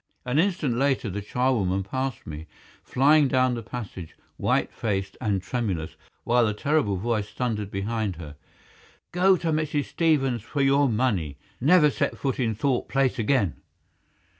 An instant later the charwoman passed me, flying down the passage, white faced and tremulous, while the terrible voice thundered behind her. "Go to Mrs. Stevens for your money! Never set foot in Thorpe Place again!"